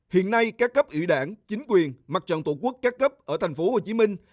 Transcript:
hiện nay các cấp ủy đảng chính quyền mặt trận tổ quốc các cấp ở thành phố hồ chí minh